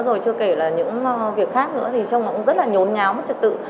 rồi chưa kể là những việc khác nữa thì trông nó cũng rất là nhốn nháo trực tự